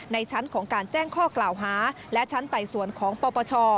ในชั้นของการแจ้งข้อกล่าวหาและชั้นไต่สวนของปปช